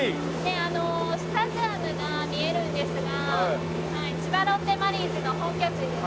スタジアムが見えるんですが千葉ロッテマリーンズの本拠地ですね。